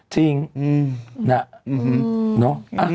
จริงน่ะ